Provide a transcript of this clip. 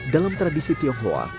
dalam tradisi tionghoa